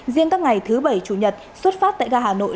riêng các ngày thứ bảy chủ nhật xuất phát tại ga hà nội